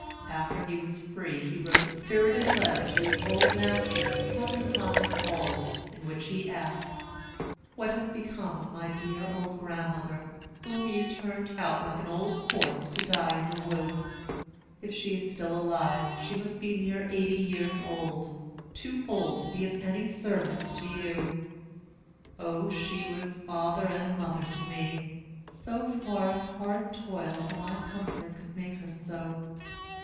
After he was free he wrote a spirited letter to his old master, Captain Thomas Auld, in which he asks: "What has become of my dear old grandmother, whom you turned out, like an old horse, to die in the woods? If she is still alive, she must be near eighty years old, too old to be of any service to you. O, she was father and mother to me, so far as hard toil for my comfort could make her so.